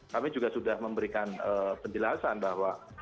kami juga sudah memberikan penjelasan bahwa